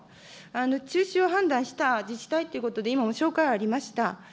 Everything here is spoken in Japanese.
中止を判断した自治体ということで、今紹介ありました。